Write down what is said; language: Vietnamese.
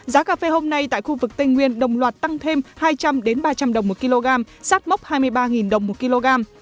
giá cà phê hôm nay tại khu vực tây nguyên đồng loạt tăng thêm hai trăm linh ba trăm linh đồng một kg sát mốc hai mươi ba đồng một kg